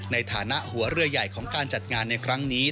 ในฐานะหัวเรือใหญ่ของการจัดงานในครั้งนี้